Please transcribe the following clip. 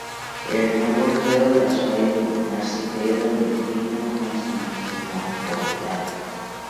El nuevo credo pasó a denominarse Credo niceno-constantinopolitano.